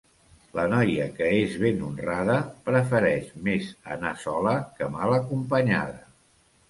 La noia que és ben honrada, prefereix més anar sola que mal acompanyada.